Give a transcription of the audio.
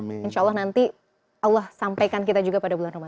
insya allah nanti allah sampaikan kita juga pada bulan ramadan